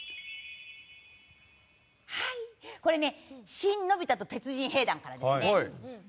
「新・のび太と鉄人兵団」からです。